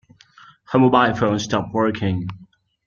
Her mobile phone stopped working.